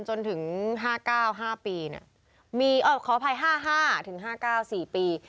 จนถึง๕๙๕ปีมีขออภัย๕๕๙๔ปี